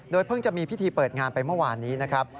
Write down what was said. เพิ่งจะมีพิธีเปิดงานไปเมื่อวานนี้นะครับ